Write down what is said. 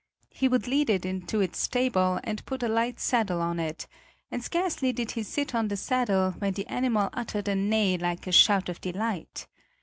He would lead it into its stable and put a light saddle on it; and scarcely did he sit on the saddle, when the animal uttered a neigh like a shout of delight.